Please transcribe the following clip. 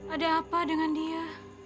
ada apa dengan dia